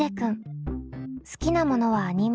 好きなものはアニメやゲーム。